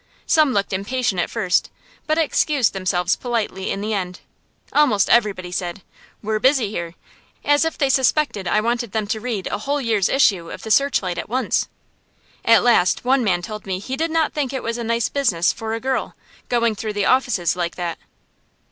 Some looked impatient at first, but excused themselves politely in the end. Almost everybody said, "We're busy here," as if they suspected I wanted them to read a whole year's issue of the "Searchlight" at once. At last one man told me he did not think it was a nice business for a girl, going through the offices like that.